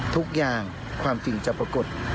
ทุกอย่างความจริงจะปรากฏ